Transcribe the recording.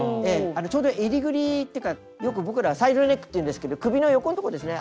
ちょうどえりぐりってかよく僕らはサイドネックっていうんですけど首の横んとこですね。